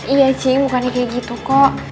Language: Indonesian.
iya sih bukannya kayak gitu kok